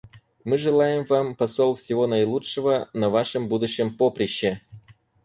Мы желаем вам, посол, всего наилучшего на вашем будущем поприще.